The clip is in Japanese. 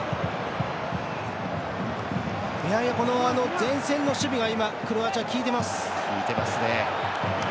前線の守備がクロアチア、効いてます。